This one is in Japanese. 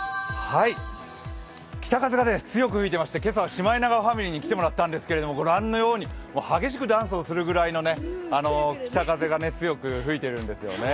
北風が強く吹いていまして、今朝はシマエナガファミリーに来ていただいたんですけど、ご覧のように激しくダンスをするぐらいのね北風が強く吹いてるんですよね。